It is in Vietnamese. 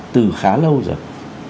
từ khá lâu rồi